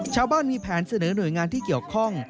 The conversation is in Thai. ชาวบ้านมีแผนเสนอหน่วยงานที่เกี่ยวข้อง